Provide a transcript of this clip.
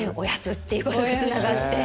っていうほうへつながって。